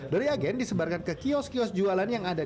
dari agen disebarkan ke kios kios jualan yang ada di